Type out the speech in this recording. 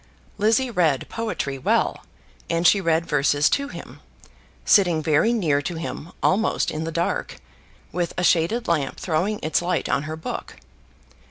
Lizzie read poetry well, and she read verses to him, sitting very near to him, almost in the dark, with a shaded lamp throwing its light on her book.